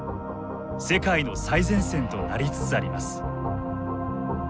世界の最前線となりつつあります。